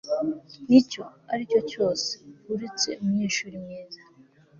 Nicyo aricyo cyose uretse umunyeshuri mwiza